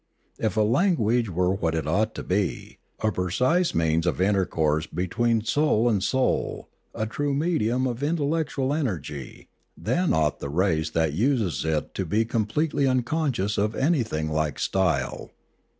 If a language were what it ought to be, a precise means of intercourse between soul and soul, a true medium of intellectual energy, then ought the 416 Limanora race that uses it to be completely unconscious of any thing like style.